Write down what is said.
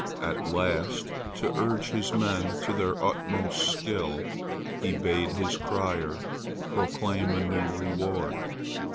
At last to urge his men to their utmost skill he bade his crier proclaim a new reward.